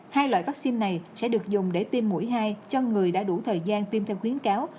hai loại vaccine này sẽ được dùng để tiêm mũi hai cho người đã đủ thời gian tiêm theo khuyến cáo